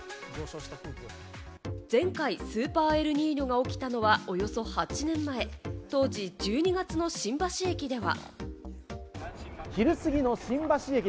前回、スーパーエルニーニョが起きたのはおよそ８年前、当時１２月の新橋駅では。